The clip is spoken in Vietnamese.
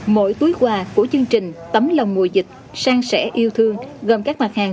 mỗi túi quà của chương trình tấm lòng mùa dịch sang sẻ yêu thương gồm các mặt hàng